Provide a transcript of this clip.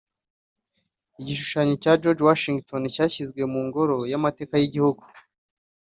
igishushanyo cya George Washington cyashyizwe mu ngoro y’amateka y’igihugu